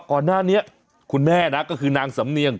ก่อนหน้านี้คุณแม่นะก็คือนางสำเนียง